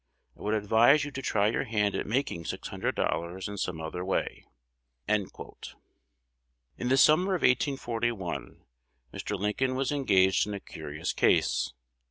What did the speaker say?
I would advise you to try your hand at making six hundred dollars in some other way."'" In the summer of 1841, Mr. Lincoln was engaged in a curious case.